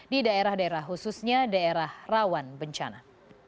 di daerah daerah khususnya daerah rawan bencana